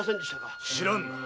知らんな。